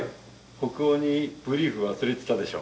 北欧にブリーフ忘れてたでしょ？